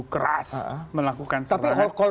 keras melakukan serangan